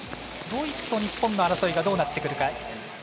ドイツと日本の争いがどうなってくるか。